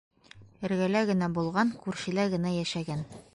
Эргәлә генә булған, күршелә генә йәшәгән.